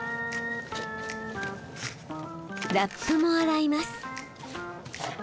ラップも洗います。